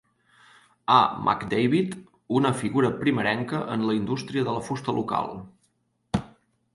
A. McDavitt, una figura primerenca en la indústria de la fusta local.